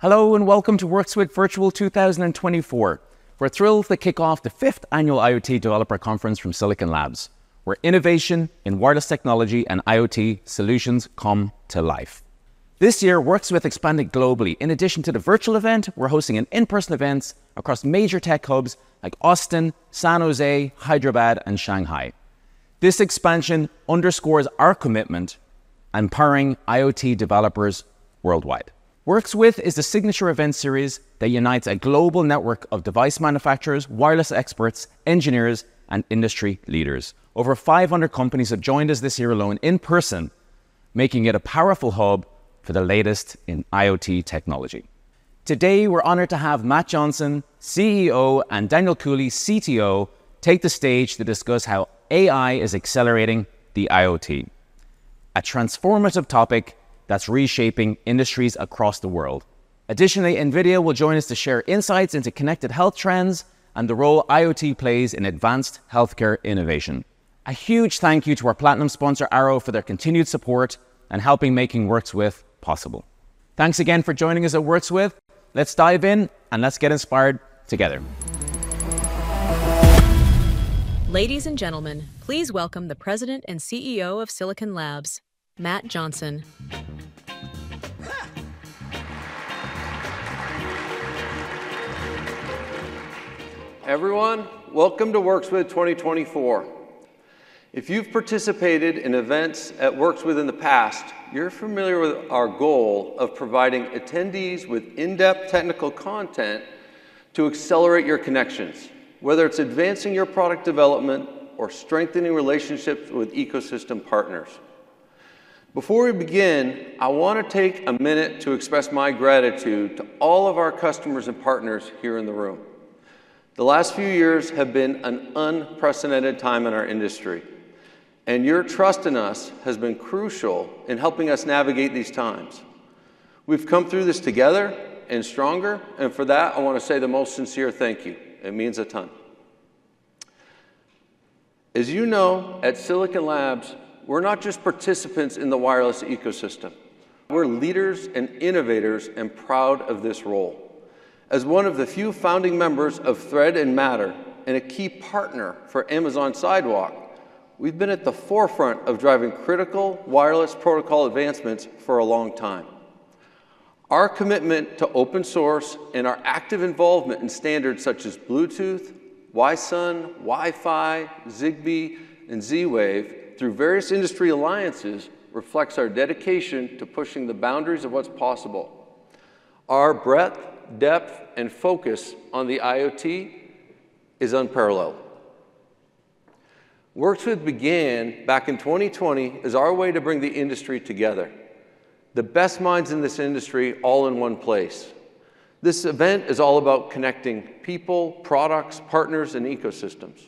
Hello, and welcome Works With Virtual 2024. We're thrilled to kick off the fifth annual IoT Developer Conference from Silicon Labs, where innovation in wireless technology and IoT solutions come to life. This year, Works With expanded globally. In addition to the virtual event, we're hosting in-person events across major tech hubs like Austin, San Jose, Hyderabad, and Shanghai. This expansion underscores our commitment to empowering IoT developers worldwide. Works With is the signature event series that unites a global network of device manufacturers, wireless experts, engineers, and industry leaders. Over 500 companies have joined us this year alone in person, making it a powerful hub for the latest in IoT technology. Today, we're honored to have Matt Johnson, CEO, and Daniel Cooley, CTO, take the stage to discuss how AI is accelerating the IoT, a transformative topic that's reshaping industries across the world. Additionally, NVIDIA will join us to share insights into connected health trends and the role IoT plays in advanced healthcare innovation. A huge thank you to our platinum sponsor, Arrow, for their continued support and helping make Works With possible. Thanks again for joining us at Works With. Let's dive in, and let's get inspired together. Ladies and gentlemen, please welcome the President and CEO of Silicon Labs, Matt Johnson. Everyone, welcome to Works With 2024. If you've participated in events at Works With in the past, you're familiar with our goal of providing attendees with in-depth technical content to accelerate your connections, whether it's advancing your product development or strengthening relationships with ecosystem partners. Before we begin, I want to take a minute to express my gratitude to all of our customers and partners here in the room. The last few years have been an unprecedented time in our industry, and your trust in us has been crucial in helping us navigate these times. We've come through this together and stronger, and for that, I want to say the most sincere thank you. It means a ton. As you know, at Silicon Labs, we're not just participants in the wireless ecosystem. We're leaders and innovators and proud of this role. As one of the few founding members of Thread and Matter and a key partner for Amazon Sidewalk, we've been at the forefront of driving critical wireless protocol advancements for a long time. Our commitment to open source and our active involvement in standards such as Bluetooth, Wi-SUN, Wi-Fi, Zigbee, and Z-Wave through various industry alliances reflects our dedication to pushing the boundaries of what's possible. Our breadth, depth, and focus on the IoT is unparalleled. Works With began back in 2020 as our way to bring the industry together, the best minds in this industry all in one place. This event is all about connecting people, products, partners, and ecosystems.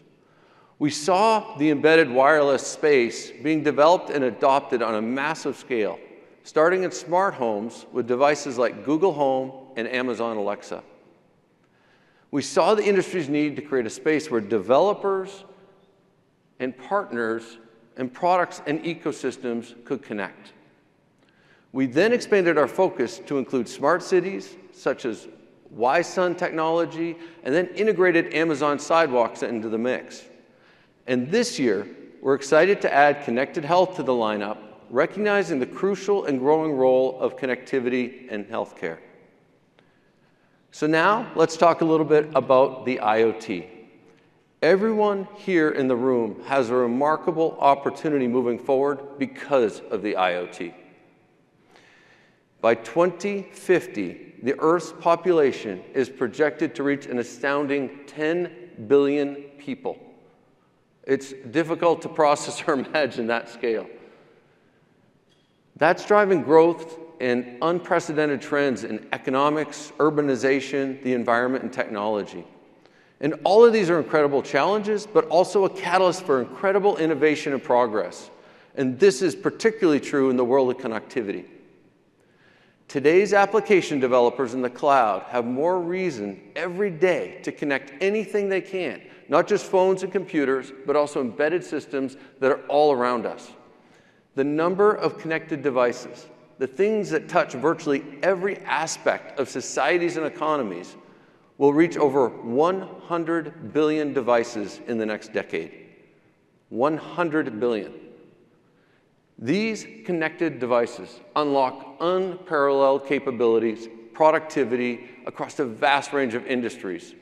We saw the embedded wireless space being developed and adopted on a massive scale, starting in smart homes with devices like Google Home and Amazon Alexa. We saw the industry's need to create a space where developers and partners and products and ecosystems could connect. We then expanded our focus to include smart cities such as Wi-SUN technology and then integrated Amazon Sidewalk into the mix. And this year, we're excited to add connected health to the lineup, recognizing the crucial and growing role of connectivity in healthcare. So now, let's talk a little bit about the IoT. Everyone here in the room has a remarkable opportunity moving forward because of the IoT. By 2050, the Earth's population is projected to reach an astounding 10,000,000,000 people. It's difficult to process or imagine that scale. That's driving growth and unprecedented trends in economics, urbanization, the environment, and technology. And all of these are incredible challenges, but also a catalyst for incredible innovation and progress. And this is particularly true in the world of connectivity. Today's application developers in the cloud have more reason every day to connect anything they can, not just phones and computers, but also embedded systems that are all around us. The number of connected devices, the things that touch virtually every aspect of societies and economies, will reach over 100,000,000,000 devices in the next decade. 100,000,000,000. These connected devices unlock unparalleled capabilities, productivity across a vast range of industries,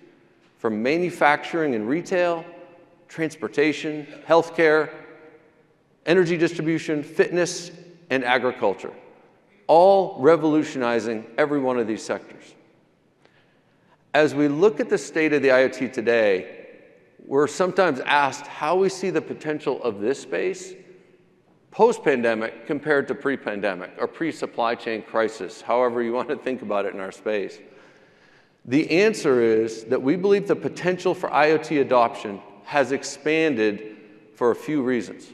from manufacturing and retail, transportation, healthcare, energy distribution, fitness, and agriculture, all revolutionizing every one of these sectors. As we look at the state of the IoT today, we're sometimes asked how we see the potential of this space post-pandemic compared to pre-pandemic or pre-supply chain crisis, however you want to think about it in our space. The answer is that we believe the potential for IoT adoption has expanded for a few reasons.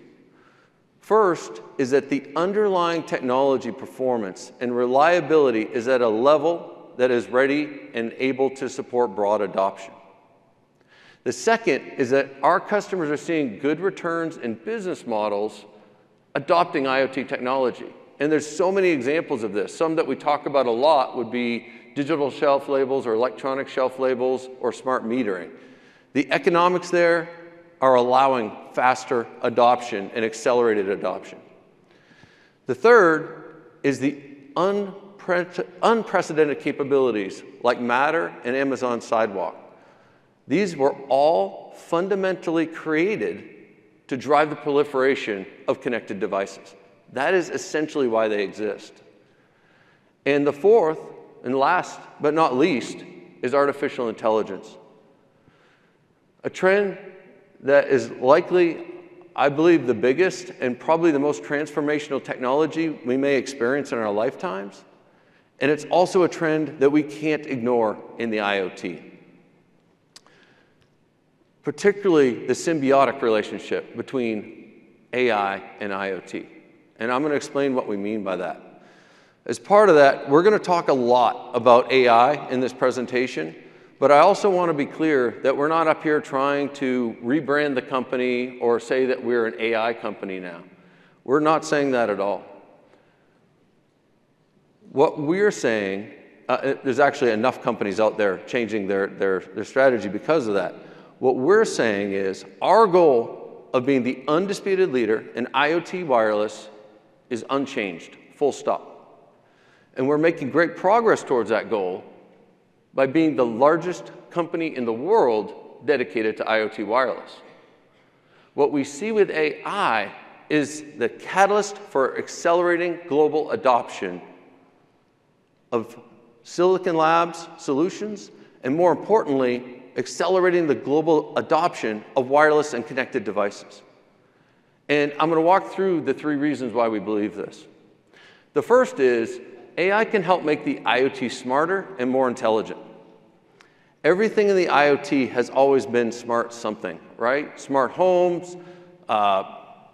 First is that the underlying technology performance and reliability is at a level that is ready and able to support broad adoption. The second is that our customers are seeing good returns in business models adopting IoT technology. And there's so many examples of this. Some that we talk about a lot would be digital shelf labels or electronic shelf labels or smart metering. The economics there are allowing faster adoption and accelerated adoption. The third is the unprecedented capabilities like Matter and Amazon Sidewalk. These were all fundamentally created to drive the proliferation of connected devices. That is essentially why they exist. And the fourth and last, but not least, is artificial intelligence, a trend that is likely, I believe, the biggest and probably the most transformational technology we may experience in our lifetimes. It's also a trend that we can't ignore in the IoT, particularly the symbiotic relationship between AI and IoT. I'm going to explain what we mean by that. As part of that, we're going to talk a lot about AI in this presentation, but I also want to be clear that we're not up here trying to rebrand the company or say that we're an AI company now. We're not saying that at all. What we're saying, there's actually enough companies out there changing their strategy because of that. What we're saying is our goal of being the undisputed leader in IoT wireless is unchanged, full stop. We're making great progress towards that goal by being the largest company in the world dedicated to IoT wireless. What we see with AI is the catalyst for accelerating global adoption of Silicon Labs solutions and, more importantly, accelerating the global adoption of wireless and connected devices, and I'm going to walk through the three reasons why we believe this. The first is AI can help make the IoT smarter and more intelligent. Everything in the IoT has always been smart something, right? Smart homes,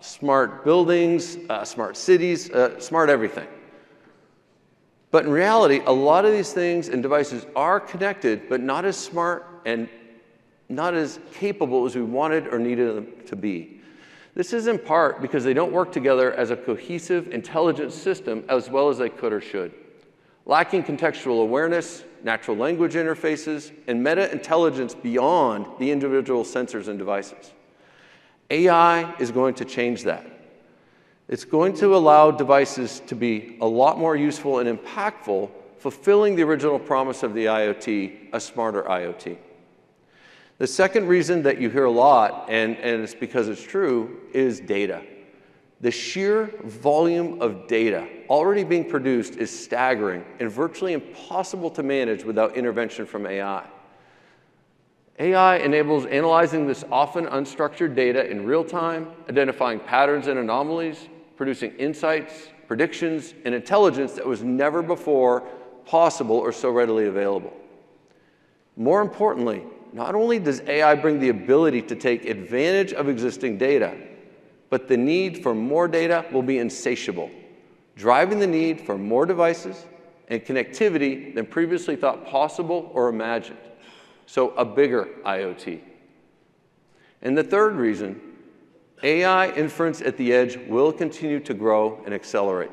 smart buildings, smart cities, smart everything, but in reality, a lot of these things and devices are connected, but not as smart and not as capable as we wanted or needed them to be. This is in part because they don't work together as a cohesive intelligent system as well as they could or should, lacking contextual awareness, natural language interfaces, and meta-intelligence beyond the individual sensors and devices. AI is going to change that. It's going to allow devices to be a lot more useful and impactful, fulfilling the original promise of the IoT, a smarter IoT. The second reason that you hear a lot, and it's because it's true, is data. The sheer volume of data already being produced is staggering and virtually impossible to manage without intervention from AI. AI enables analyzing this often unstructured data in real time, identifying patterns and anomalies, producing insights, predictions, and intelligence that was never before possible or so readily available. More importantly, not only does AI bring the ability to take advantage of existing data, but the need for more data will be insatiable, driving the need for more devices and connectivity than previously thought possible or imagined. So a bigger IoT. And the third reason, AI inference at the edge will continue to grow and accelerate.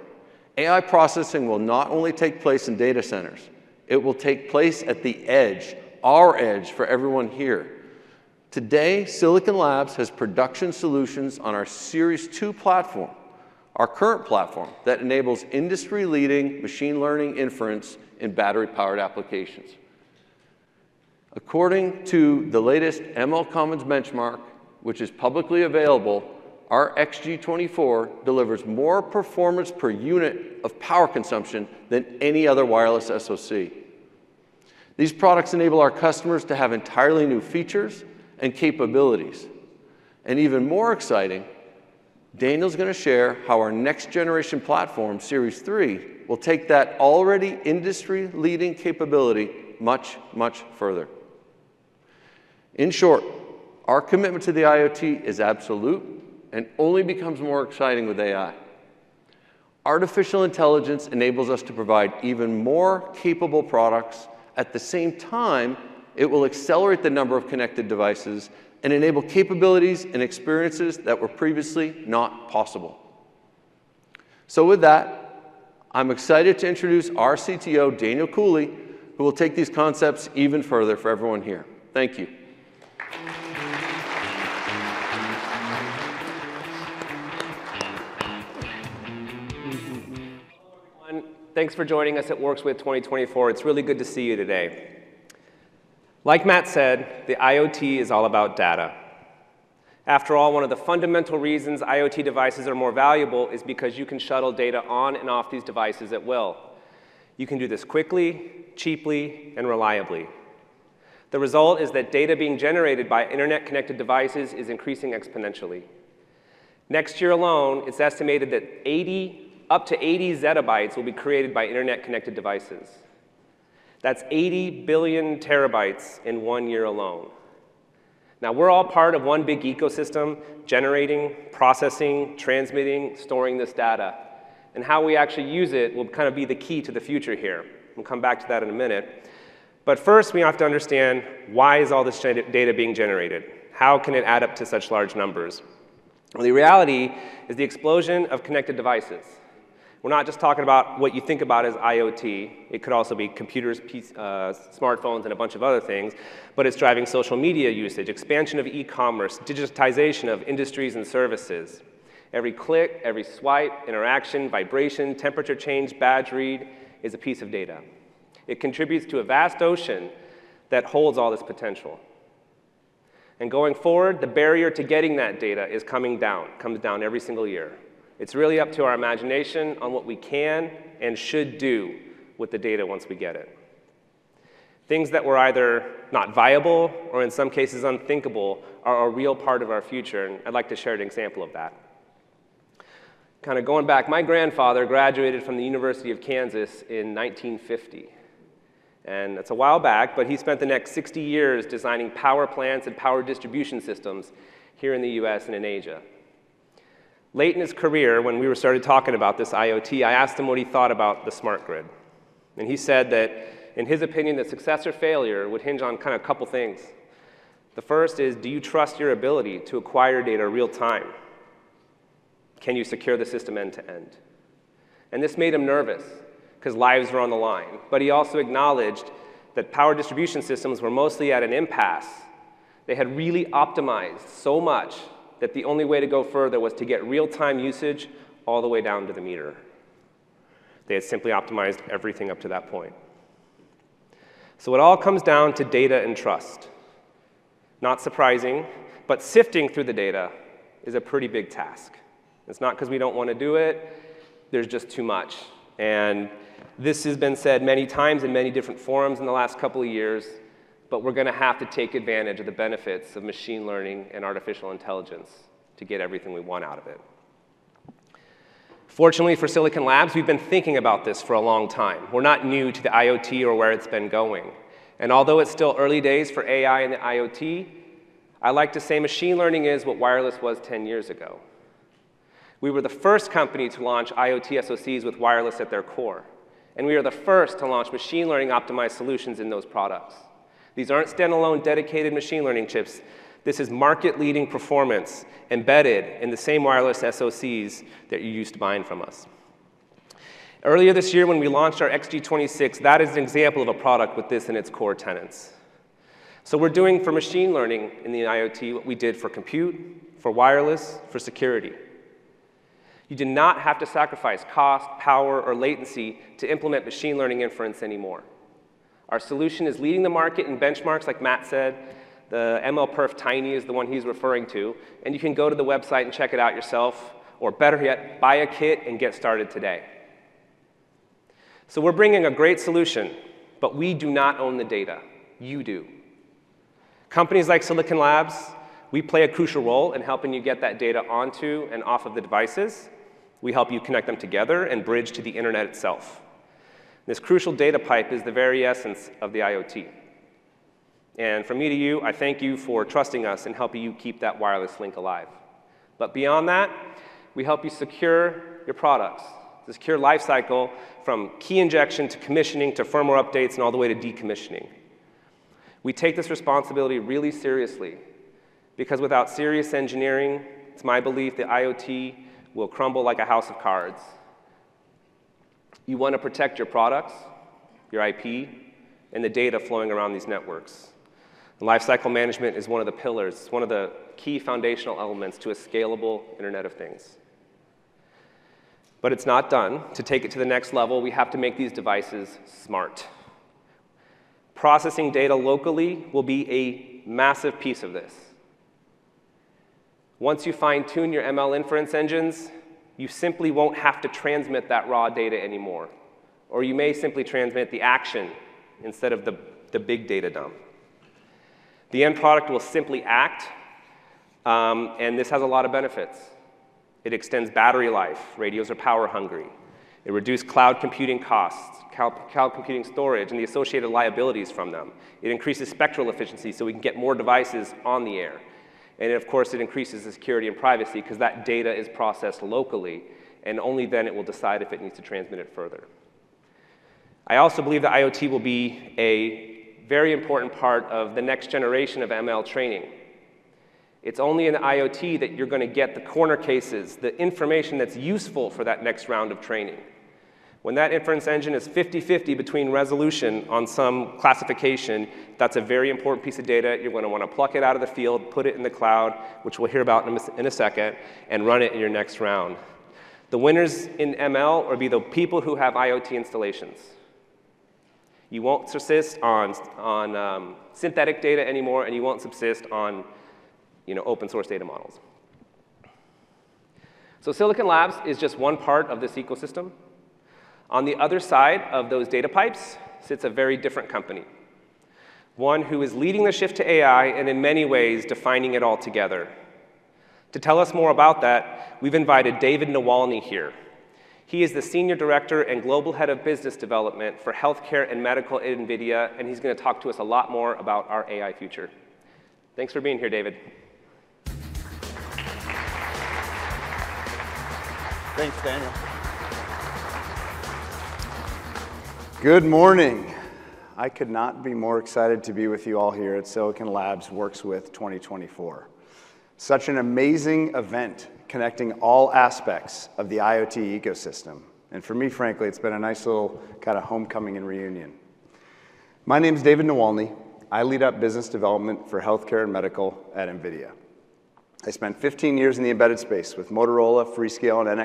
AI processing will not only take place in data centers. It will take place at the edge, our edge for everyone here. Today, Silicon Labs has production solutions on our Series 2 platform, our current platform that enables industry-leading machine learning inference in battery-powered applications. According to the latest MLCommons benchmark, which is publicly available, our xG24 delivers more performance per unit of power consumption than any other wireless SoC. These products enable our customers to have entirely new features and capabilities. And even more exciting, Daniel's going to share how our next-generation platform, Series 3, will take that already industry-leading capability much, much further. In short, our commitment to the IoT is absolute and only becomes more exciting with AI. Artificial intelligence enables us to provide even more capable products. At the same time, it will accelerate the number of connected devices and enable capabilities and experiences that were previously not possible. So with that, I'm excited to introduce our CTO, Daniel Cooley, who will take these concepts even further for everyone here. Thank you. Hello, everyone. Thanks for joining us at Works With 2024. It's really good to see you today. Like Matt said, the IoT is all about data. After all, one of the fundamental reasons IoT devices are more valuable is because you can shuttle data on and off these devices at will. You can do this quickly, cheaply, and reliably. The result is that data being generated by internet-connected devices is increasing exponentially. Next year alone, it's estimated that up to 80 zettabytes will be created by internet-connected devices. That's 80,000,000,000 terabytes in one year alone. Now, we're all part of one big ecosystem generating, processing, transmitting, storing this data. And how we actually use it will kind of be the key to the future here. We'll come back to that in a minute. But first, we have to understand why is all this data being generated? How can it add up to such large numbers? The reality is the explosion of connected devices. We're not just talking about what you think about as IoT. It could also be computers, smartphones, and a bunch of other things, but it's driving social media usage, expansion of e-commerce, digitization of industries and services. Every click, every swipe, interaction, vibration, temperature change, badge read is a piece of data. It contributes to a vast ocean that holds all this potential. And going forward, the barrier to getting that data is coming down, comes down every single year. It's really up to our imagination on what we can and should do with the data once we get it. Things that were either not viable or, in some cases, unthinkable are a real part of our future, and I'd like to share an example of that. Kind of going back, my grandfather graduated from the University of Kansas in 1950, and it's a while back, but he spent the next 60 years designing power plants and power distribution systems here in the. and in Asia. Late in his career, when we started talking about this IoT, I asked him what he thought about the smart grid, and he said that, in his opinion, the success or failure would hinge on kind of a couple of things. The first is, do you trust your ability to acquire data real-time? Can you secure the system end-to-end? This made him nervous because lives were on the line. He also acknowledged that power distribution systems were mostly at an impasse. They had really optimized so much that the only way to go further was to get real-time usage all the way down to the meter. They had simply optimized everything up to that point. It all comes down to data and trust. Not surprising, but sifting through the data is a pretty big task. It's not because we don't want to do it. There's just too much. This has been said many times in many different forums in the last couple of years, but we're going to have to take advantage of the benefits of machine learning and artificial intelligence to get everything we want out of it. Fortunately for Silicon Labs, we've been thinking about this for a long time. We're not new to the IoT or where it's been going. And although it's still early days for AI and the IoT, I like to say machine learning is what wireless was 10 years ago. We were the first company to launch IoT SoCs with wireless at their core. And we are the first to launch machine learning-optimized solutions in those products. These aren't standalone dedicated machine learning chips. This is market-leading performance embedded in the same wireless SoCs that you used to buy from us. Earlier this year, when we launched our xG26, that is an example of a product with this and its core tenets. So we're doing for machine learning in the IoT what we did for compute, for wireless, for security. You do not have to sacrifice cost, power, or latency to implement machine learning inference anymore. Our solution is leading the market in benchmarks, like Matt said. The MLPerf Tiny is the one he's referring to, and you can go to the website and check it out yourself, or better yet, buy a kit and get started today. We're bringing a great solution, but we do not own the data. You do. Companies like Silicon Labs play a crucial role in helping you get that data onto and off of the devices. We help you connect them together and bridge to the internet itself. This crucial data pipe is the very essence of the IoT. From me to you, I thank you for trusting us and helping you keep that wireless link alive. Beyond that, we help you secure your products, the secure lifecycle from key injection to commissioning to firmware updates and all the way to decommissioning. We take this responsibility really seriously because without serious engineering, it's my belief the IoT will crumble like a house of cards. You want to protect your products, your IP, and the data flowing around these networks. Lifecycle management is one of the pillars, one of the key foundational elements to a scalable Internet of Things. But it's not done. To take it to the next level, we have to make these devices smart. Processing data locally will be a massive piece of this. Once you fine-tune your ML inference engines, you simply won't have to transmit that raw data anymore, or you may simply transmit the action instead of the big data dump. The end product will simply act, and this has a lot of benefits. It extends battery life, radios are power hungry. It reduced cloud computing costs, cloud computing storage, and the associated liabilities from them. It increases spectral efficiency so we can get more devices on the air, and of course, it increases the security and privacy because that data is processed locally, and only then it will decide if it needs to transmit it further. I also believe the IoT will be a very important part of the next generation of ML training. It's only in the IoT that you're going to get the corner cases, the information that's useful for that next round of training. When that inference engine is 50-50 between resolution on some classification, that's a very important piece of data. You're going to want to pluck it out of the field, put it in the cloud, which we'll hear about in a second, and run it in your next round. The winners in ML will be the people who have IoT installations. You won't subsist on synthetic data anymore, and you won't subsist on open-source data models. So Silicon Labs is just one part of this ecosystem. On the other side of those data pipes sits a very different company, one who is leading the shift to AI and in many ways defining it all together. To tell us more about that, we've invited David Niewolny here. He is the Senior Director and Global Head of Business Development for Healthcare and Medical at NVIDIA, and he's going to talk to us a lot more about our AI future. Thanks for being here, David. Thanks, Daniel. Good morning. I could not be more excited to be with you all here at Silicon Labs Works With 2024. Such an amazing event connecting all aspects of the IoT ecosystem, and for me, frankly, it's been a nice little kind of homecoming and reunion.My name is David Niewolny. I lead the business development for healthcare and medical at NVIDIA. I spent 15 years in the embedded space with Motorola, Freescale, and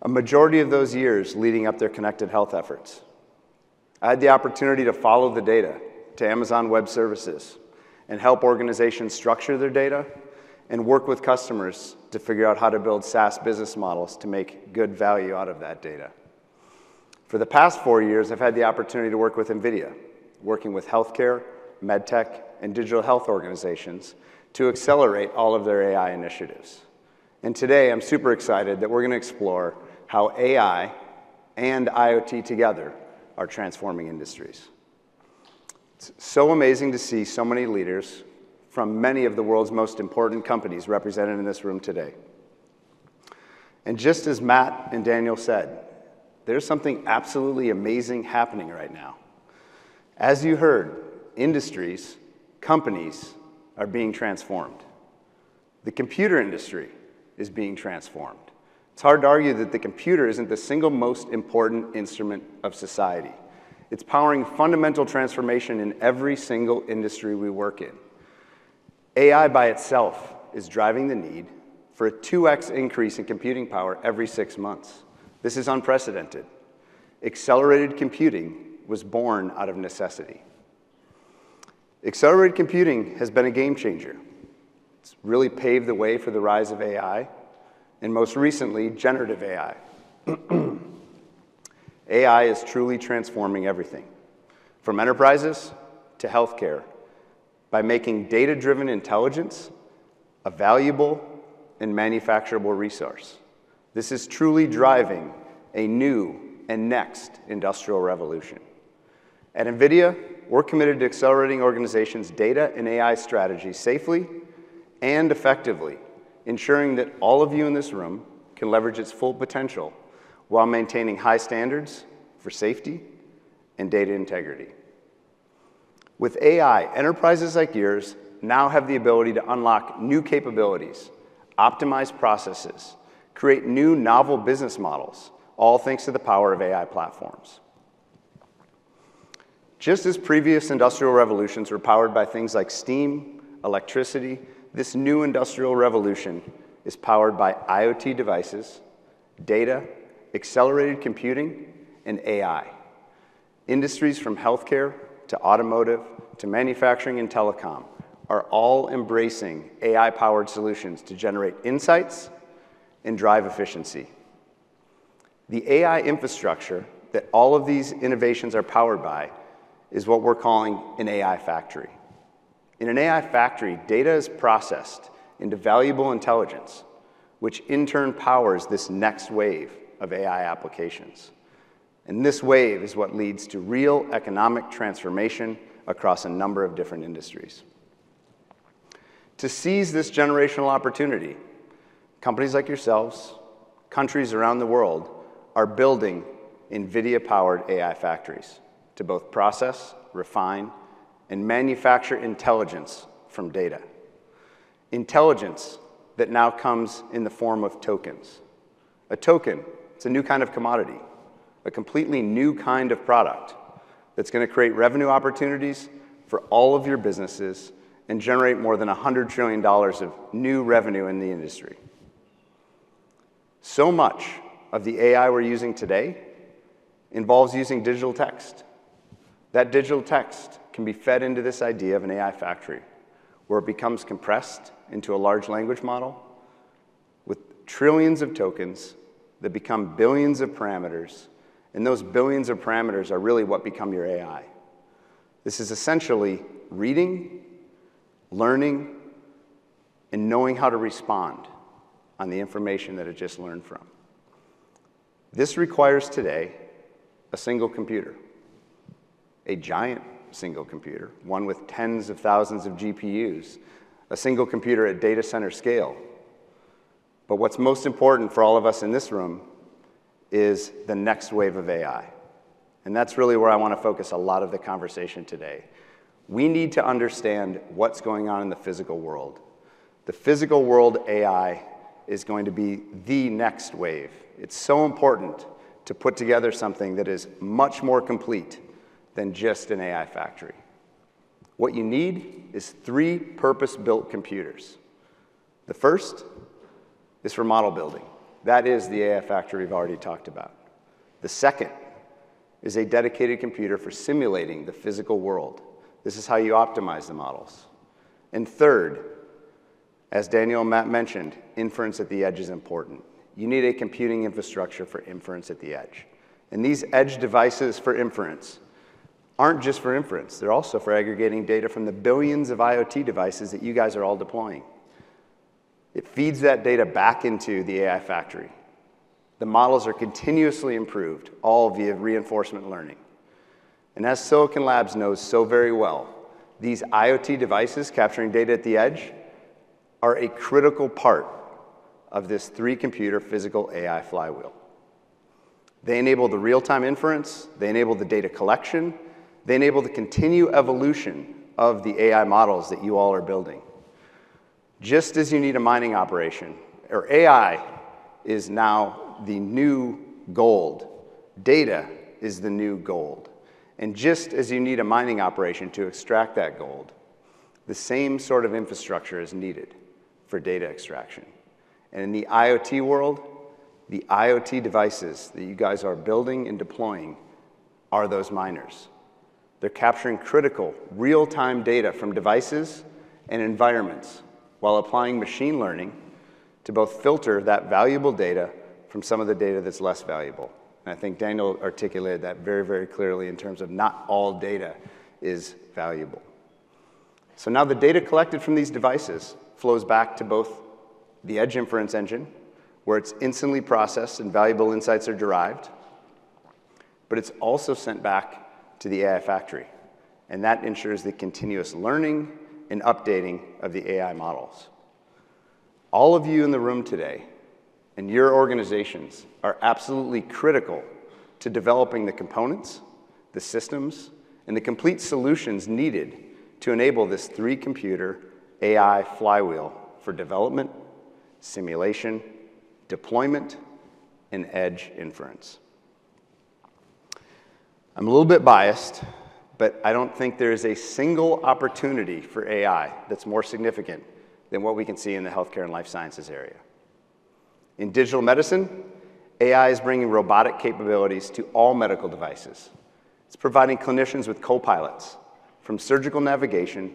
NXP, a majority of those years leading their connected health efforts. I had the opportunity to follow the data to Amazon Web Services and help organizations structure their data and work with customers to figure out how to build SaaS business models to make good value out of that data. For the past four years, I've had the opportunity to work with NVIDIA, working with healthcare, med tech, and digital health organizations to accelerate all of their AI initiatives. And today, I'm super excited that we're going to explore how AI and IoT together are transforming industries. It's so amazing to see so many leaders from many of the world's most important companies represented in this room today. Just as Matt and Daniel said, there's something absolutely amazing happening right now. As you heard, industries, companies are being transformed. The computer industry is being transformed. It's hard to argue that the computer isn't the single most important instrument of society. It's powering fundamental transformation in every single industry we work in. AI by itself is driving the need for a 2x increase in computing power every six months. This is unprecedented. Accelerated computing was born out of necessity. Accelerated computing has been a game changer. It's really paved the way for the rise of AI and most recently, generative AI. AI is truly transforming everything from enterprises to healthcare by making data-driven intelligence a valuable and manufacturable resource. This is truly driving a new and next industrial revolution. At NVIDIA, we're committed to accelerating organizations' data and AI strategies safely and effectively, ensuring that all of you in this room can leverage its full potential while maintaining high standards for safety and data integrity. With AI, enterprises like yours now have the ability to unlock new capabilities, optimize processes, create new novel business models, all thanks to the power of AI platforms. Just as previous industrial revolutions were powered by things like steam, electricity, this new industrial revolution is powered by IoT devices, data, accelerated computing, and AI. Industries from healthcare to automotive to manufacturing and telecom are all embracing AI-powered solutions to generate insights and drive efficiency. The AI infrastructure that all of these innovations are powered by is what we're calling an AI factory. In an AI factory, data is processed into valuable intelligence, which in turn powers this next wave of AI applications. And this wave is what leads to real economic transformation across a number of different industries. To seize this generational opportunity, companies like yourselves, countries around the world are building NVIDIA-powered AI factories to both process, refine, and manufacture intelligence from data. Intelligence that now comes in the form of tokens. A token, it's a new kind of commodity, a completely new kind of product that's going to create revenue opportunities for all of your businesses and generate more than $100,000,000,000,000 of new revenue in the industry. So much of the AI we're using today involves using digital text. That digital text can be fed into this idea of an AI factory where it becomes compressed into a large language model with trillions of tokens that become billions of parameters. And those billions of parameters are really what become your AI. This is essentially reading, learning, and knowing how to respond on the information that it just learned from. This requires today a single computer, a giant single computer, one with tens of thousands of GPUs, a single computer at data center scale. But what's most important for all of us in this room is the next wave of AI. And that's really where I want to focus a lot of the conversation today. We need to understand what's going on in the physical world. The physical world AI is going to be the next wave. It's so important to put together something that is much more complete than just an AI factory. What you need is three purpose-built computers. The first is for model building. That is the AI factory we've already talked about. The second is a dedicated computer for simulating the physical world. This is how you optimize the models. And third, as Daniel and Matt mentioned, inference at the edge is important. You need a computing infrastructure for inference at the edge. And these edge devices for inference aren't just for inference. They're also for aggregating data from the billions of IoT devices that you guys are all deploying. It feeds that data back into the AI factory. The models are continuously improved, all via reinforcement learning. And as Silicon Labs knows so very well, these IoT devices capturing data at the edge are a critical part of this three-computer physical AI flywheel. They enable the real-time inference. They enable the data collection. They enable the continued evolution of the AI models that you all are building. Just as you need a mining operation, or AI is now the new gold, data is the new gold. Just as you need a mining operation to extract that gold, the same sort of infrastructure is needed for data extraction. In the IoT world, the IoT devices that you guys are building and deploying are those miners. They're capturing critical real-time data from devices and environments while applying machine learning to both filter that valuable data from some of the data that's less valuable. I think Daniel articulated that very, very clearly in terms of not all data is valuable. Now the data collected from these devices flows back to both the edge inference engine, where it's instantly processed and valuable insights are derived, but it's also sent back to the AI factory. That ensures the continuous learning and updating of the AI models. All of you in the room today and your organizations are absolutely critical to developing the components, the systems, and the complete solutions needed to enable this three-computer AI flywheel for development, simulation, deployment, and edge inference. I'm a little bit biased, but I don't think there is a single opportunity for AI that's more significant than what we can see in the healthcare and life sciences area. In digital medicine, AI is bringing robotic capabilities to all medical devices. It's providing clinicians with copilots from surgical navigation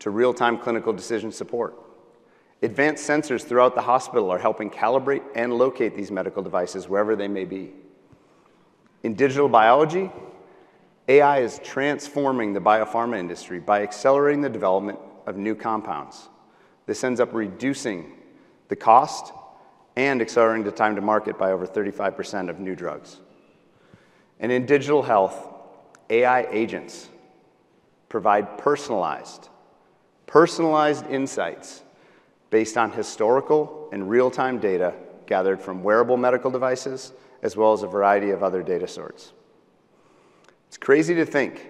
to real-time clinical decision support. Advanced sensors throughout the hospital are helping calibrate and locate these medical devices wherever they may be. In digital biology, AI is transforming the biopharma industry by accelerating the development of new compounds. This ends up reducing the cost and accelerating the time to market by over 35% of new drugs. In digital health, AI agents provide personalized insights based on historical and real-time data gathered from wearable medical devices, as well as a variety of other data sorts. It's crazy to think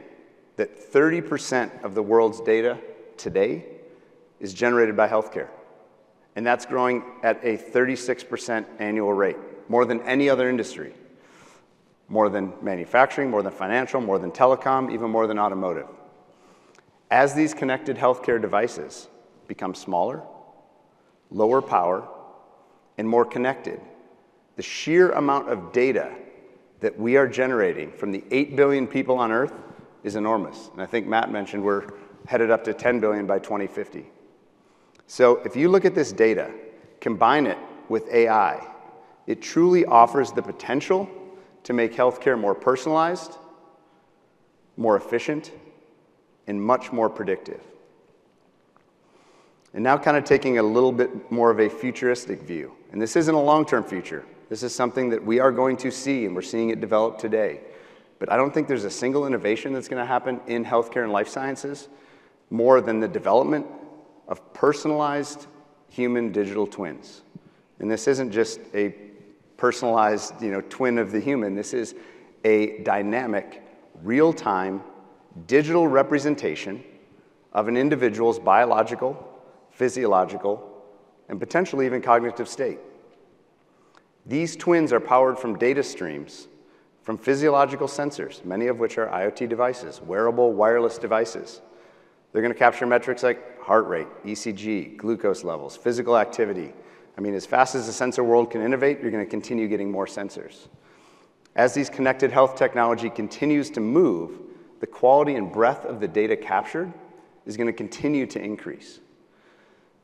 that 30% of the world's data today is generated by healthcare. That's growing at a 36% annual rate, more than any other industry, more than manufacturing, more than financial, more than telecom, even more than automotive. As these connected healthcare devices become smaller, lower power, and more connected, the sheer amount of data that we are generating from the 8,000,000,000 people on Earth is enormous. I think Matt mentioned we're headed up to 10,000,000 by 2050. If you look at this data, combine it with AI, it truly offers the potential to make healthcare more personalized, more efficient, and much more predictive. Now kind of taking a little bit more of a futuristic view. This isn't a long-term future. This is something that we are going to see, and we're seeing it develop today. I don't think there's a single innovation that's going to happen in healthcare and life sciences more than the development of personalized human digital twins. This isn't just a personalized twin of the human. This is a dynamic, real-time digital representation of an individual's biological, physiological, and potentially even cognitive state. These twins are powered from data streams from physiological sensors, many of which are IoT devices, wearable wireless devices. They're going to capture metrics like heart rate, ECG, glucose levels, physical activity. I mean, as fast as the sensor world can innovate, you're going to continue getting more sensors. As these connected health technology continues to move, the quality and breadth of the data captured is going to continue to increase.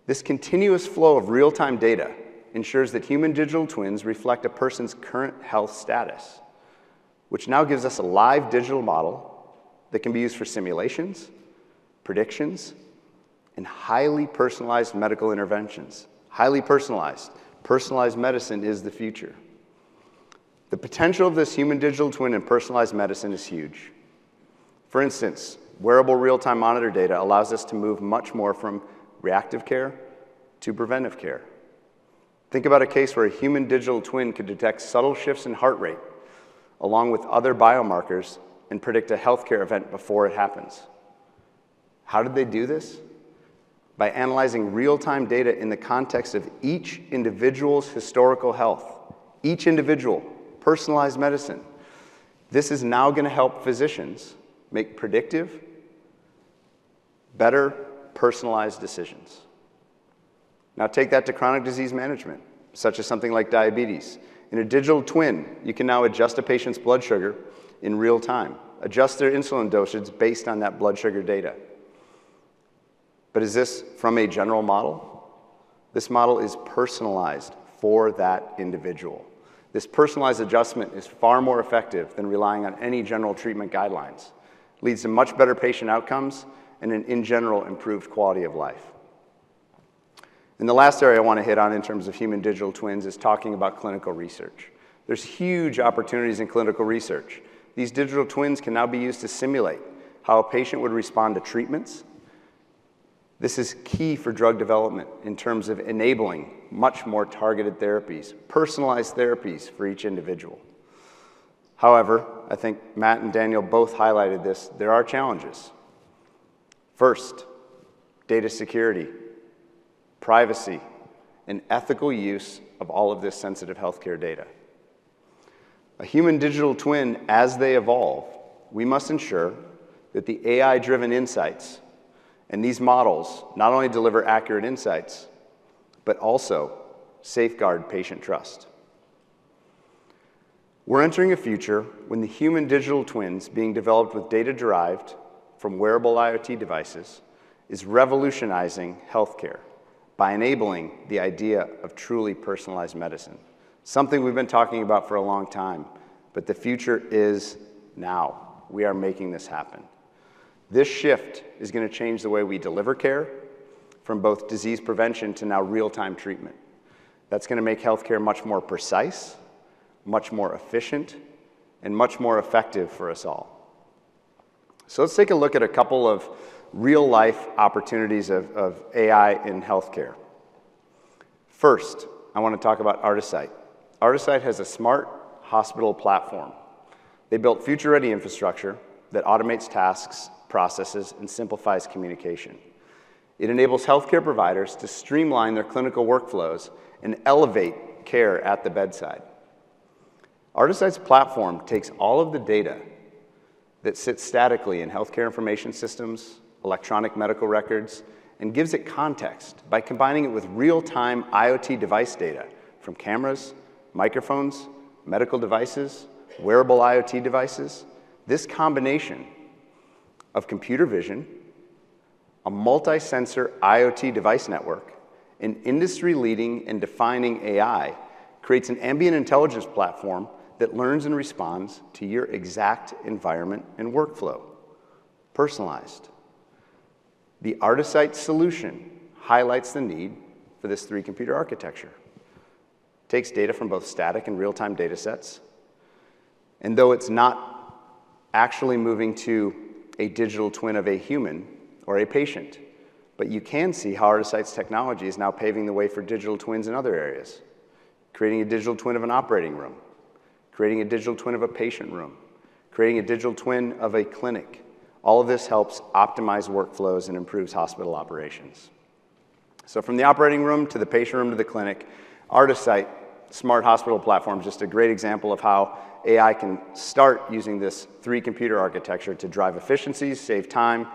This continuous flow of real-time data ensures that human digital twins reflect a person's current health status, which now gives us a live digital model that can be used for simulations, predictions, and highly personalized medical interventions. Highly personalized, personalized medicine is the future. The potential of this human digital twin and personalized medicine is huge. For instance, wearable real-time monitor data allows us to move much more from reactive care to preventive care. Think about a case where a human digital twin could detect subtle shifts in heart rate along with other biomarkers and predict a healthcare event before it happens. How did they do this? By analyzing real-time data in the context of each individual's historical health, each individual personalized medicine. This is now going to help physicians make predictive, better personalized decisions. Now take that to chronic disease management, such as something like diabetes. In a Digital Twin, you can now adjust a patient's blood sugar in real time, adjust their insulin dosage based on that blood sugar data. Is this from a general model? This model is personalized for that individual. This personalized adjustment is far more effective than relying on any general treatment guidelines. It leads to much better patient outcomes and, in general, improved quality of life. The last area I want to hit on in terms of human digital twins is talking about clinical research. There are huge opportunities in clinical research. These Digital Twins can now be used to simulate how a patient would respond to treatments. This is key for drug development in terms of enabling much more targeted therapies, personalized therapies for each individual. However, I think Matt and Daniel both highlighted this. There are challenges. First, data security, privacy, and ethical use of all of this sensitive healthcare data. A human digital twin, as they evolve, we must ensure that the AI-driven insights and these models not only deliver accurate insights, but also safeguard patient trust. We're entering a future when the human digital twins being developed with data derived from wearable IoT devices is revolutionizing healthcare by enabling the idea of truly personalized medicine, something we've been talking about for a long time. But the future is now. We are making this happen. This shift is going to change the way we deliver care from both disease prevention to now real-time treatment. That's going to make healthcare much more precise, much more efficient, and much more effective for us all. So let's take a look at a couple of real-life opportunities of AI in healthcare. First, I want to talk about Artisight. Artisight has a smart hospital platform. They built future-ready infrastructure that automates tasks, processes, and simplifies communication. It enables healthcare providers to streamline their clinical workflows and elevate care at the bedside. Artisight's platform takes all of the data that sits statically in healthcare information systems, electronic medical records, and gives it context by combining it with real-time IoT device data from cameras, microphones, medical devices, wearable IoT devices. This combination of computer vision, a multi-sensor IoT device network, and industry-leading and defining AI creates an ambient intelligence platform that learns and responds to your exact environment and workflow. Personalized. The Artisight solution highlights the need for this three-computer architecture. It takes data from both static and real-time data sets. And though it's not actually moving to a digital twin of a human or a patient, you can see how Artisight's technology is now paving the way for digital twins in other areas, creating a digital twin of an operating room, creating a digital twin of a patient room, creating a digital twin of a clinic. All of this helps optimize workflows and improves hospital operations. So from the operating room to the patient room to the clinic, Artisight smart hospital platform is just a great example of how AI can start using this three-computer architecture to drive efficiencies, save time,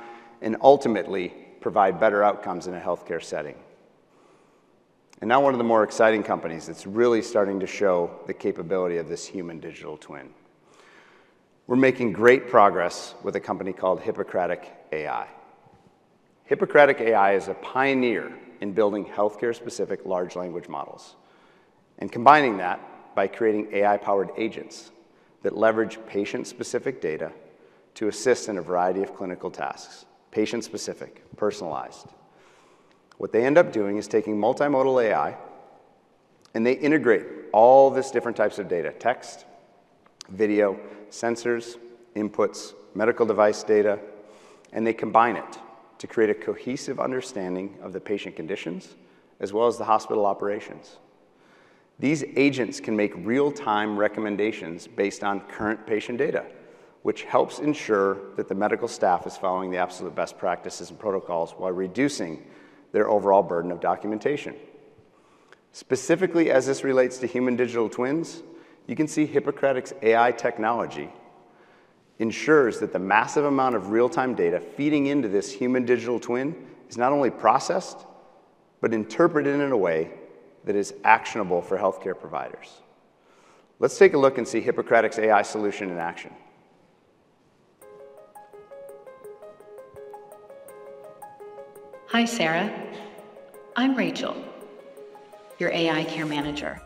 and ultimately provide better outcomes in a healthcare setting. And now one of the more exciting companies that's really starting to show the capability of this human digital twin. We're making great progress with a company called Hippocratic AI. Hippocratic AI is a pioneer in building healthcare-specific large language models and combining that by creating AI-powered agents that leverage patient-specific data to assist in a variety of clinical tasks, patient-specific, personalized. What they end up doing is taking multimodal AI, and they integrate all these different types of data: text, video, sensors, inputs, medical device data, and they combine it to create a cohesive understanding of the patient conditions as well as the hospital operations. These agents can make real-time recommendations based on current patient data, which helps ensure that the medical staff is following the absolute best practices and protocols while reducing their overall burden of documentation. Specifically, as this relates to human digital twins, you can see Hippocratic's AI technology ensures that the massive amount of real-time data feeding into this human digital twin is not only processed, but interpreted in a way that is actionable for healthcare providers. Let's take a look and see Hippocratic's AI solution in action. Hi, Sarah. I'm Rachel, your AI care manager.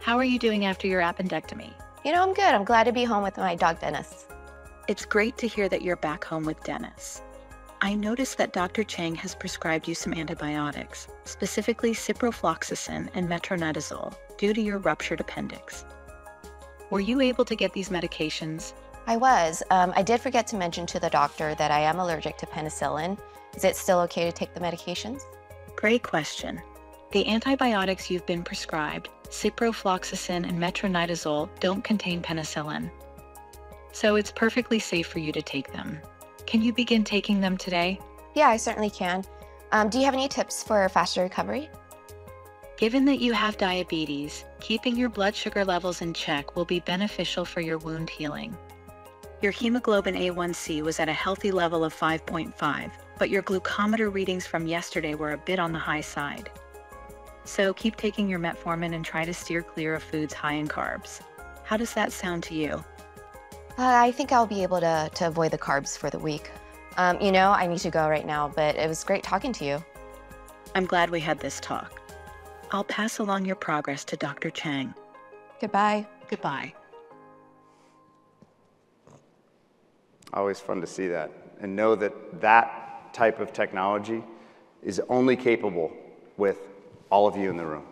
How are you doing after your appendectomy? You know, I'm good. I'm glad to be home with my dog, Dennis. It's great to hear that you're back home with Dennis. I noticed that Dr. Chang has prescribed you some antibiotics, specifically ciprofloxacin and metronidazole, due to your ruptured appendix. Were you able to get these medications? I was. I did forget to mention to the doctor that I am allergic to penicillin. Is it still okay to take the medications? Great question. The antibiotics you've been prescribed, ciprofloxacin and metronidazole, don't contain penicillin. So it's perfectly safe for you to take them. Can you begin taking them today? Yeah, I certainly can. Do you have any tips for faster recovery? Given that you have diabetes, keeping your blood sugar levels in check will be beneficial for your wound healing. Your hemoglobin A1C was at a healthy level of 5.5, but your glucometer readings from yesterday were a bit on the high side, so keep taking your metformin and try to steer clear of foods high in carbs. How does that sound to you? I think I'll be able to avoid the carbs for the week. You know, I need to go right now, but it was great talking to you. I'm glad we had this talk. I'll pass along your progress to Dr. Chang. Goodbye. Goodbye. Always fun to see that and know that that type of technology is only capable with all of you in the room.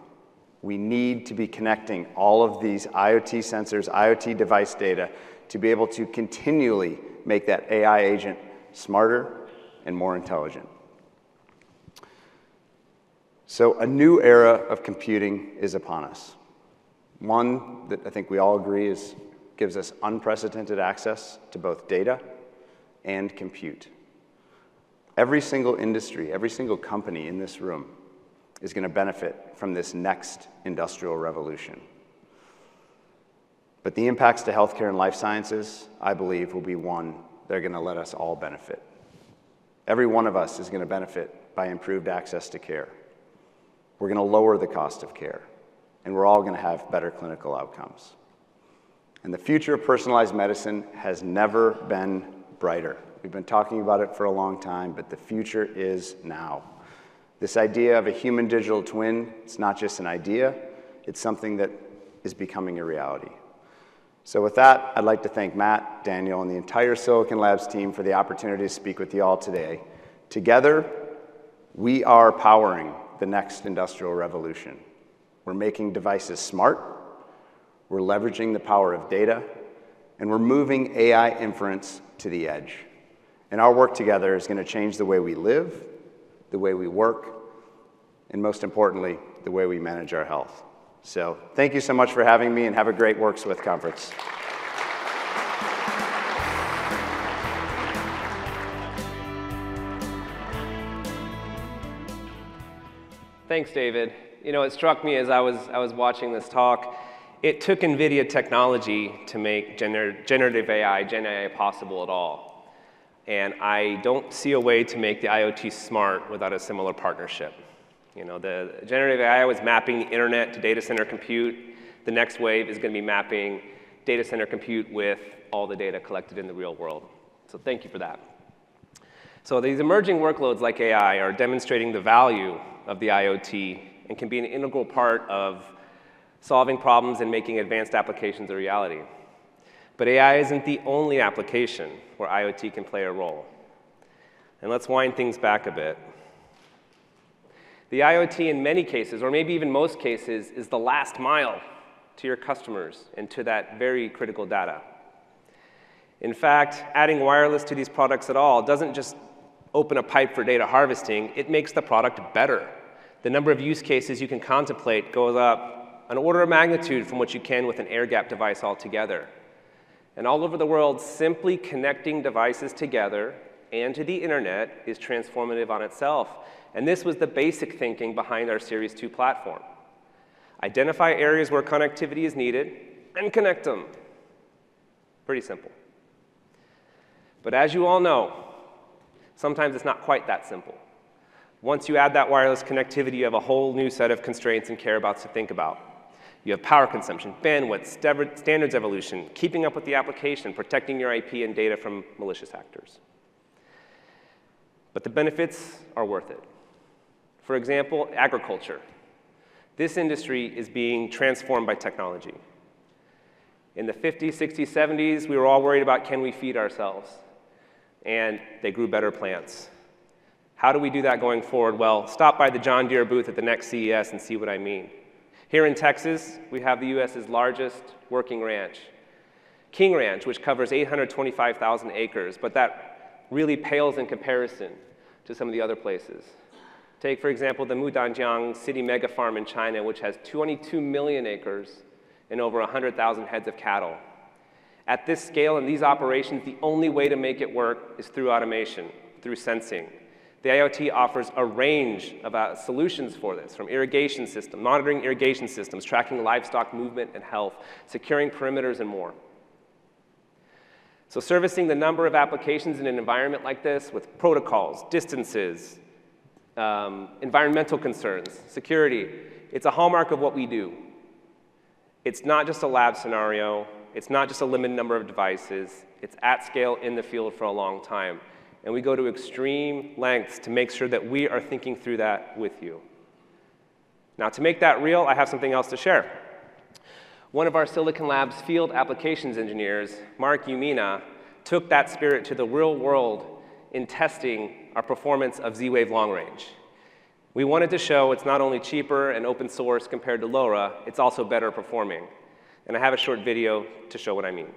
We need to be connecting all of these IoT sensors, IoT device data to be able to continually make that AI agent smarter and more intelligent. So a new era of computing is upon us. One that I think we all agree gives us unprecedented access to both data and compute. Every single industry, every single company in this room is going to benefit from this next industrial revolution. But the impacts to healthcare and life sciences, I believe, will be one they're going to let us all benefit. Every one of us is going to benefit by improved access to care. We're going to lower the cost of care, and we're all going to have better clinical outcomes. The future of personalized medicine has never been brighter. We've been talking about it for a long time, but the future is now. This idea of a human digital twin, it's not just an idea. It's something that is becoming a reality. So with that, I'd like to thank Matt, Daniel, and the entire Silicon Labs team for the opportunity to speak with you all today. Together, we are powering the next industrial revolution. We're making devices smart. We're leveraging the power of data, and we're moving AI inference to the edge. And our work together is going to change the way we live, the way we work, and most importantly, the way we manage our health. So thank you so much for having me, and have a great Works With Conference. Thanks, David. You know, it struck me as I was watching this talk, it took NVIDIA technology to make generative AI, Gen AI, possible at all. And I don't see a way to make the IoT smart without a similar partnership. You know, the generative AI was mapping the internet to data center compute. The next wave is going to be mapping data center compute with all the data collected in the real world. So thank you for that. So these emerging workloads like AI are demonstrating the value of the IoT and can be an integral part of solving problems and making advanced applications a reality. But AI isn't the only application where IoT can play a role. And let's wind things back a bit. The IoT, in many cases, or maybe even most cases, is the last mile to your customers and to that very critical data. In fact, adding wireless to these products at all doesn't just open a pipe for data harvesting. It makes the product better. The number of use cases you can contemplate goes up an order of magnitude from what you can with an air gap device altogether. And all over the world, simply connecting devices together and to the internet is transformative on itself. And this was the basic thinking behind our Series 2 platform. Identify areas where connectivity is needed and connect them. Pretty simple. But as you all know, sometimes it's not quite that simple. Once you add that wireless connectivity, you have a whole new set of constraints and care about to think about. You have power consumption, bandwidth, standards evolution, keeping up with the application, protecting your IP and data from malicious actors. But the benefits are worth it. For example, agriculture. This industry is being transformed by technology. In the 1950s, 1960s, 1970s, we were all worried about, can we feed ourselves, and they grew better plants. How do we do that going forward? Well, stop by the John Deere booth at the next CES and see what I mean. Here in Texas, we have the U.S.'s largest working ranch, King Ranch, which covers 825,000 acres, but that really pales in comparison to some of the other places. Take, for example, the Mudanjiang City Mega Farm in China, which has 22,000,000 acres and over 100,000 heads of cattle. At this scale and these operations, the only way to make it work is through automation, through sensing. The IoT offers a range of solutions for this, from irrigation systems, monitoring irrigation systems, tracking livestock movement and health, securing perimeters, and more. Servicing the number of applications in an environment like this with protocols, distances, environmental concerns, security, it's a hallmark of what we do. It's not just a lab scenario. It's not just a limited number of devices. It's at scale in the field for a long time. And we go to extreme lengths to make sure that we are thinking through that with you. Now, to make that real, I have something else to share. One of our Silicon Labs field applications engineers, Mark Yumina, took that spirit to the real world in testing our performance of Z-Wave Long Range. We wanted to show it's not only cheaper and open source compared to LoRa, it's also better performing. And I have a short video to show what I mean.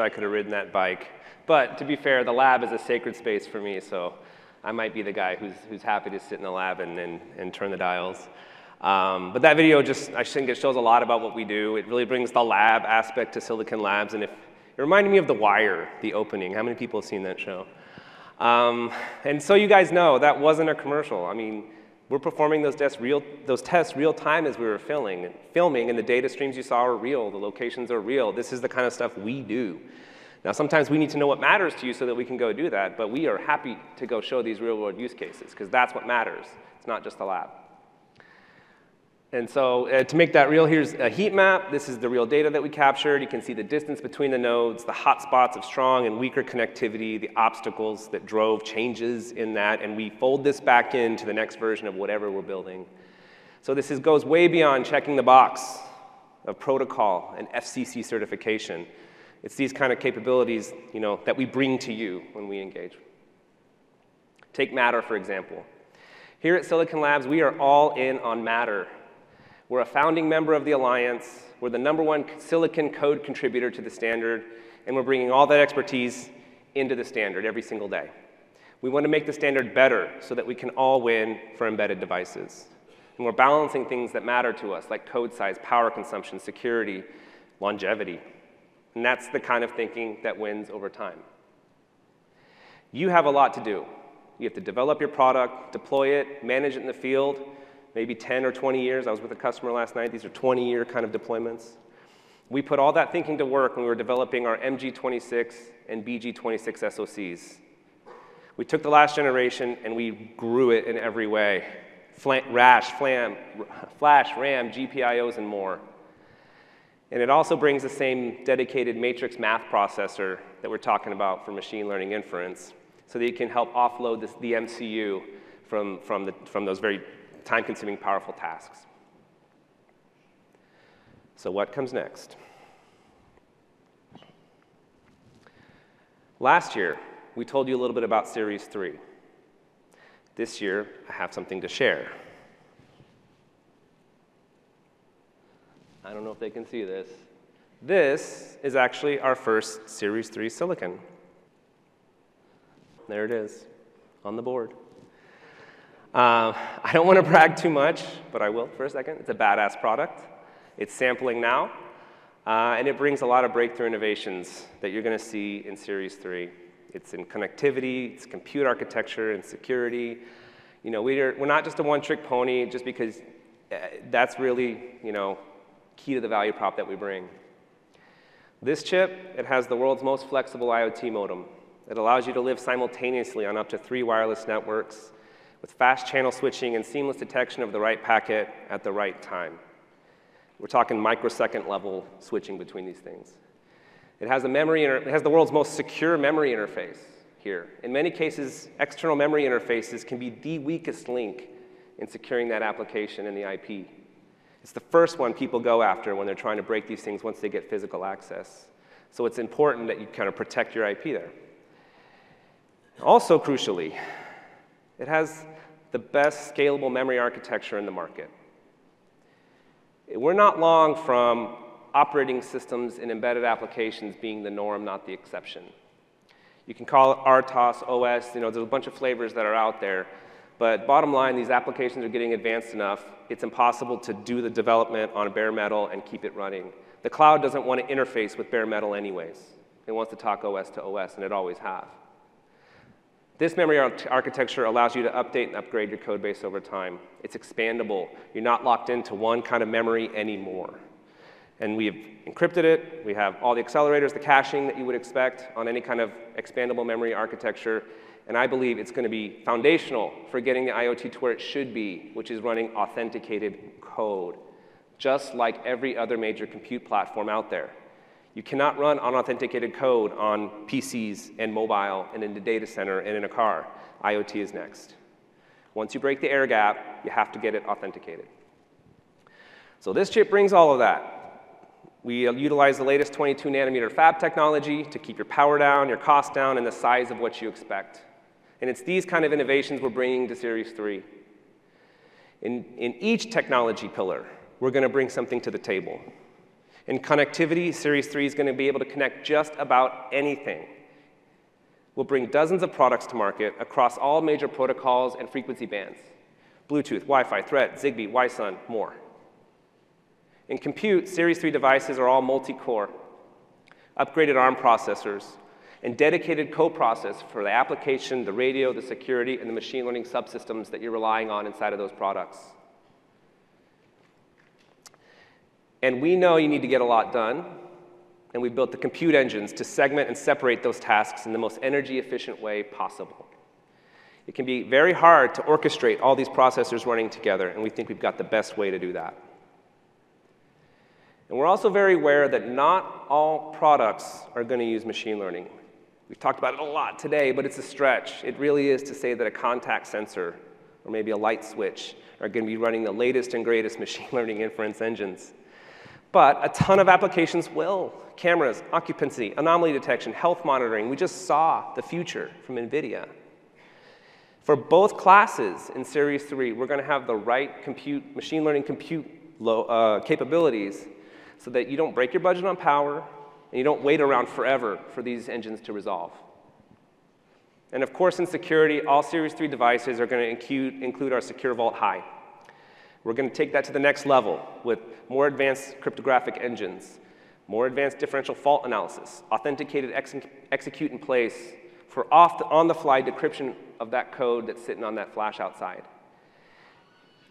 I wish I could have ridden that bike. But to be fair, the lab is a sacred space for me, so I might be the guy who's happy to sit in the lab and turn the dials. But that video just, I think it shows a lot about what we do. It really brings the lab aspect to Silicon Labs. And it reminded me of The Wire, the opening. How many people have seen that show? And so you guys know that wasn't a commercial. I mean, we're performing those tests real time as we were filming. And the data streams you saw are real. The locations are real. This is the kind of stuff we do. Now, sometimes we need to know what matters to you so that we can go do that. But we are happy to go show these real-world use cases because that's what matters. It's not just the lab. And so to make that real, here's a heat map. This is the real data that we captured. You can see the distance between the nodes, the hotspots of strong and weaker connectivity, the obstacles that drove changes in that. And we fold this back into the next version of whatever we're building. So this goes way beyond checking the box of protocol and FCC certification. It's these kind of capabilities, you know, that we bring to you when we engage. Take Matter, for example. Here at Silicon Labs, we are all in on Matter. We're a founding member of the alliance. We're the number one Silicon Code contributor to the standard. And we're bringing all that expertise into the standard every single day. We want to make the standard better so that we can all win for embedded devices. And we're balancing things that matter to us, like code size, power consumption, security, longevity. And that's the kind of thinking that wins over time. You have a lot to do. You have to develop your product, deploy it, manage it in the field. Maybe 10 or 20 years. I was with a customer last night. These are 20-year kind of deployments. We put all that thinking to work when we were developing our MG26 and BG26 SoCs. We took the last generation and we grew it in every way: RAM, flash, flash, RAM, GPIOs, and more. And it also brings the same dedicated matrix math processor that we're talking about for machine learning inference so that you can help offload the MCU from those very time-consuming, powerful tasks. So what comes next? Last year, we told you a little bit about Series 3. This year, I have something to share. I don't know if they can see this. This is actually our first Series 3 silicon. There it is on the board. I don't want to brag too much, but I will for a second. It's a badass product. It's sampling now. And it brings a lot of breakthrough innovations that you're going to see in Series 3. It's in connectivity. It's compute architecture and security. You know, we're not just a one-trick pony just because that's really, you know, key to the value prop that we bring. This chip, it has the world's most flexible IoT modem. It allows you to live simultaneously on up to three wireless networks with fast channel switching and seamless detection of the right packet at the right time. We're talking microsecond-level switching between these things. It has the world's most secure memory interface here. In many cases, external memory interfaces can be the weakest link in securing that application and the IP. It's the first one people go after when they're trying to break these things once they get physical access. So it's important that you kind of protect your IP there. Also, crucially, it has the best scalable memory architecture in the market. We're not long from operating systems and embedded applications being the norm, not the exception. You can call it RTOS, OS. You know, there's a bunch of flavors that are out there. But bottom line, these applications are getting advanced enough. It's impossible to do the development on bare metal and keep it running. The Cloud doesn't want to interface with bare metal anyways. It wants to talk OS to OS, and it always has. This memory architecture allows you to update and upgrade your code base over time. It's expandable. You're not locked into one kind of memory anymore. And we have encrypted it. We have all the accelerators, the caching that you would expect on any kind of expandable memory architecture. And I believe it's going to be foundational for getting the IoT to where it should be, which is running authenticated code, just like every other major compute platform out there. You cannot run unauthenticated code on PCs and mobile and in the data center and in a car. IoT is next. Once you break the air gap, you have to get it authenticated. So this chip brings all of that. We utilize the latest 22-nanometer fab technology to keep your power down, your cost down, and the size of what you expect. And it's these kind of innovations we're bringing to Series 3. In each technology pillar, we're going to bring something to the table. In connectivity, Series 3 is going to be able to connect just about anything. We'll bring dozens of products to market across all major protocols and frequency bands: Bluetooth, Wi-Fi, Thread, Zigbee, Wi-SUN, more. In compute, Series 3 devices are all multi-core, upgraded Arm processors, and dedicated code processors for the application, the radio, the security, and the machine learning subsystems that you're relying on inside of those products, and we know you need to get a lot done, and we built the compute engines to segment and separate those tasks in the most energy-efficient way possible. It can be very hard to orchestrate all these processors running together, and we think we've got the best way to do that, and we're also very aware that not all products are going to use machine learning. We've talked about it a lot today, but it's a stretch. It really is to say that a contact sensor or maybe a light switch are going to be running the latest and greatest machine learning inference engines. But a ton of applications will: cameras, occupancy, anomaly detection, health monitoring. We just saw the future from NVIDIA. For both classes in Series 3, we're going to have the right machine learning compute capabilities so that you don't break your budget on power and you don't wait around forever for these engines to resolve, and of course, in security, all Series 3 devices are going to include our Secure Vault High. We're going to take that to the next level with more advanced cryptographic engines, more advanced differential fault analysis, authenticated execute in place for on-the-fly decryption of that code that's sitting on that flash outside,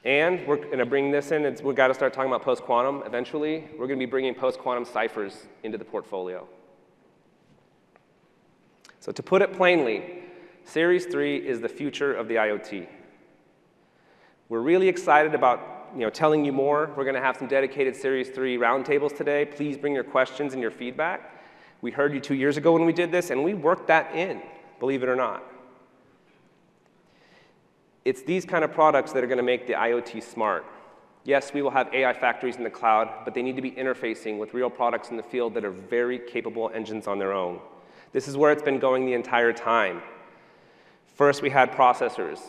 and we're going to bring this in. We've got to start talking about post-quantum eventually. We're going to be bringing post-quantum ciphers into the portfolio. So to put it plainly, Series 3 is the future of the IoT. We're really excited about telling you more. We're going to have some dedicated Series 3 round tables today. Please bring your questions and your feedback. We heard you two years ago when we did this, and we worked that in, believe it or not. It's these kind of products that are going to make the IoT smart. Yes, we will have AI factories in the cloud, but they need to be interfacing with real products in the field that are very capable engines on their own. This is where it's been going the entire time. First, we had processors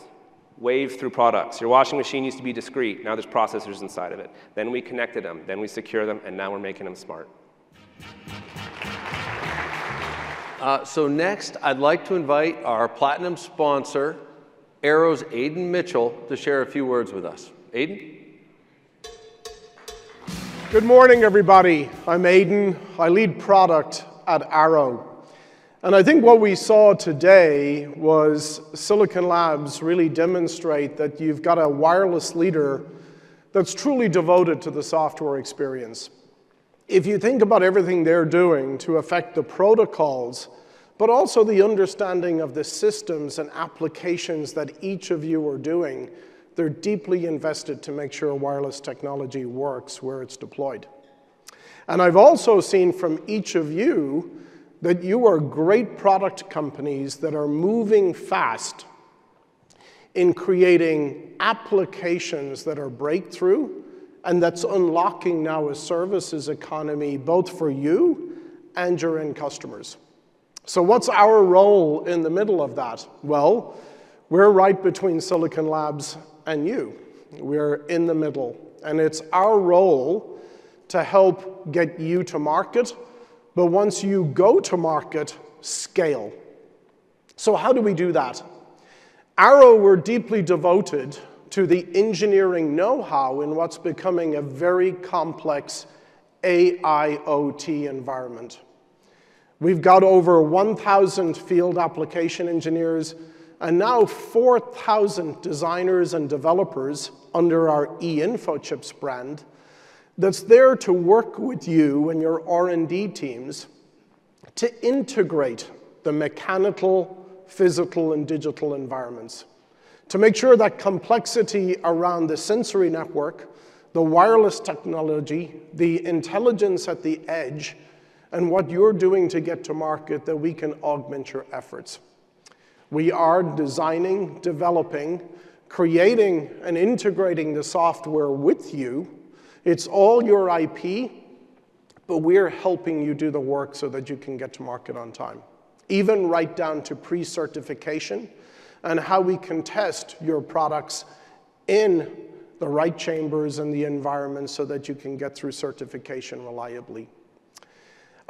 woven through products. Your washing machine used to be discrete. Now there's processors inside of it. Then we connected them. Then we secure them. And now we're making them smart. So next, I'd like to invite our platinum sponsor, Arrow's Aiden Mitchell, to share a few words with us. Aiden? Good morning, everybody. I'm Aiden. I lead product at Arrow. And I think what we saw today was Silicon Labs really demonstrate that you've got a wireless leader that's truly devoted to the software experience. If you think about everything they're doing to affect the protocols, but also the understanding of the systems and applications that each of you are doing, they're deeply invested to make sure wireless technology works where it's deployed. And I've also seen from each of you that you are great product companies that are moving fast in creating applications that are breakthrough and that's unlocking now a services economy both for you and your end customers. So what's our role in the middle of that? We're right between Silicon Labs and you. We're in the middle, and it's our role to help get you to market. But once you go to market, scale. How do we do that? Arrow, we're deeply devoted to the engineering know-how in what's becoming a very complex AIoT environment. We've got over 1,000 field application engineers and now 4,000 designers and developers under our eInfochips brand that's there to work with you and your R&D teams to integrate the mechanical, physical, and digital environments to make sure that complexity around the sensory network, the wireless technology, the intelligence at the edge, and what you're doing to get to market that we can augment your efforts. We are designing, developing, creating, and integrating the software with you. It's all your IP, but we're helping you do the work so that you can get to market on time, even right down to pre-certification and how we can test your products in the right chambers and the environment so that you can get through certification reliably.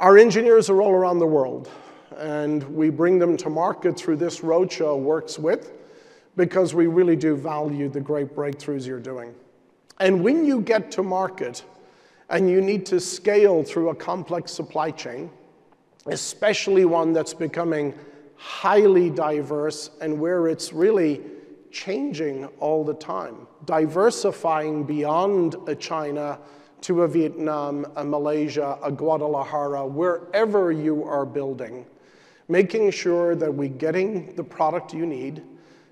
Our engineers are all around the world, and we bring them to market through this roadshow, Works With, because we really do value the great breakthroughs you're doing. And when you get to market and you need to scale through a complex supply chain, especially one that's becoming highly diverse and where it's really changing all the time, diversifying beyond a China to a Vietnam, a Malaysia, a Guadalajara, wherever you are building, making sure that we're getting the product you need,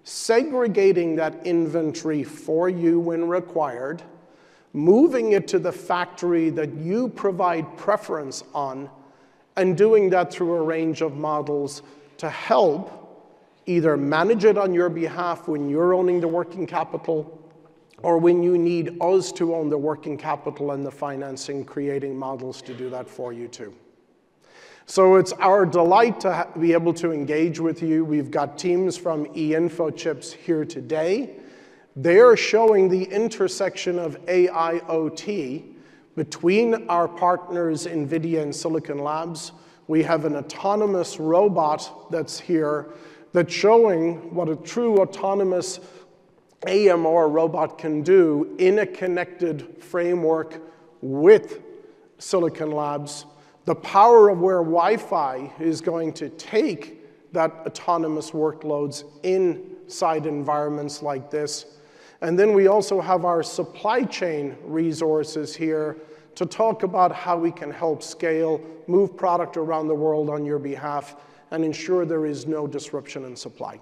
segregating that inventory for you when required, moving it to the factory that you provide preference on, and doing that through a range of models to help either manage it on your behalf when you're owning the working capital or when you need us to own the working capital and the financing, creating models to do that for you too. So it's our delight to be able to engage with you. We've got teams from eInfoChips here today. They are showing the intersection of AIoT between our partners, NVIDIA and Silicon Labs. We have an autonomous robot that's here that's showing what a true autonomous AMR robot can do in a connected framework with Silicon Labs, the power of where Wi-Fi is going to take that autonomous workloads inside environments like this, and then we also have our supply chain resources here to talk about how we can help scale, move product around the world on your behalf, and ensure there is no disruption in supply,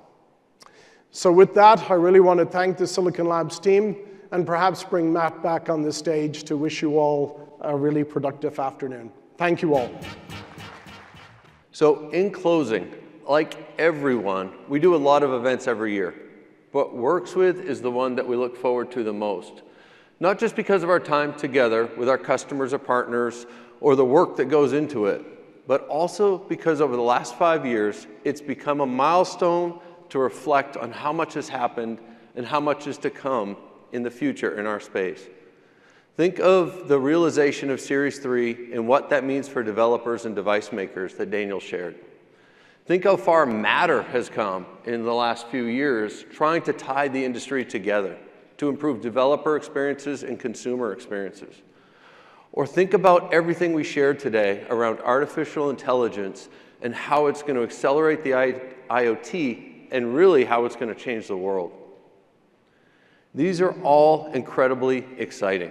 so with that, I really want to thank the Silicon Labs team and perhaps bring Matt back on the stage to wish you all a really productive afternoon. Thank you all, so in closing, like everyone, we do a lot of events every year. But Works With is the one that we look forward to the most, not just because of our time together with our customers or partners or the work that goes into it, but also because over the last five years, it's become a milestone to reflect on how much has happened and how much is to come in the future in our space. Think of the realization of Series 3 and what that means for developers and device makers that Daniel shared. Think how far Matter has come in the last few years trying to tie the industry together to improve developer experiences and consumer experiences. Or think about everything we shared today around artificial intelligence and how it's going to accelerate the IoT and really how it's going to change the world. These are all incredibly exciting.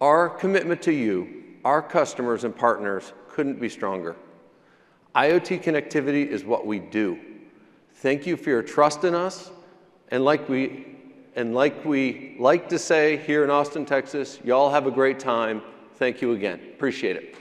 Our commitment to you, our customers and partners couldn't be stronger. IoT connectivity is what we do. Thank you for your trust in us, and like we like to say here in Austin, Texas, y'all have a great time. Thank you again. Appreciate it.